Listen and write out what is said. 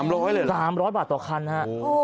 ๓๐๐เลยเหรอครับ๓๐๐บาทต่อคันครับโอ้โฮ